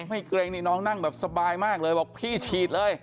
ไม่เกรงนี่น้องนั่งแบบสบายมากเลยบอกพี่ฉีดเลย